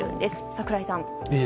櫻井さん。